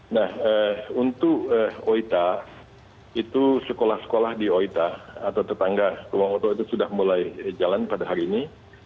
nah untuk oita itu sekolah sekolah di oita atau tetangga kuwang oto itu sudah mulai jalan pada hari ini